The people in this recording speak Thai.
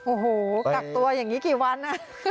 โอ้โหกักตัวอย่างนี้กี่วัน